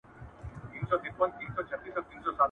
څه خوره، څه پرېږده.